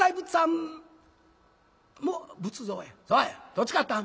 どっち勝ったん？」。